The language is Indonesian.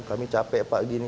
kami capek pak gini